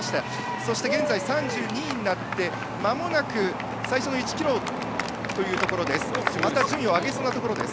そして現在３２位になってまもなく最初の１ｋｍというところです。